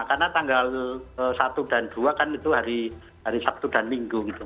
karena tanggal satu dan dua kan itu hari sabtu dan minggu